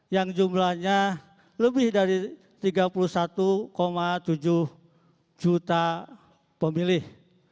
yang jumlahnya lebih dari tiga puluh satu tujuh juta pemilih